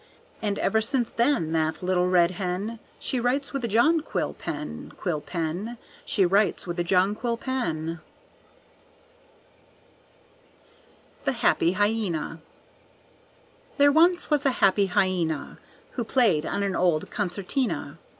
And ever since then, that little red hen, She writes with a jonquil pen, quil pen, She writes with a jonquil pen. The Happy Hyena There once was a happy Hyena Who played on an old concertina.